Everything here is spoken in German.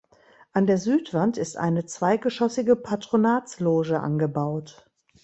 An der Südwand ist eine zweigeschossige Patronatsloge angebaut.